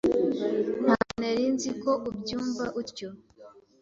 Ntabwo nari nzi ko ubyumva utyo.